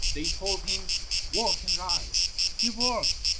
They told him: Work and Rise. He worked.